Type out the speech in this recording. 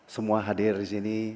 semua hadir disini